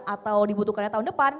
atau dibutuhkannya tahun depan